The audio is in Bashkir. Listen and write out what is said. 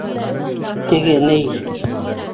Теге ней...